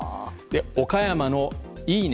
岡山のいいね